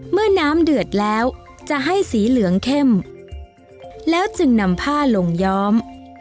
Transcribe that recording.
เมื่อน้ำเดือดแล้วจะให้สีเหลืองเข้มแล้วจึงนำผ้าลงย้อม